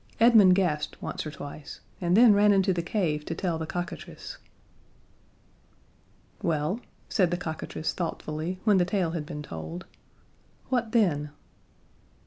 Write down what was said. Edmund gasped once or twice, and then ran into the cave to tell the cockatrice. "Well," said the cockatrice thoughtfully, when the tale had been told. "What then?"